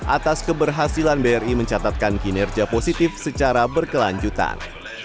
atas keberhasilan bri mencatatkan kinerja positif secara berkelanjutan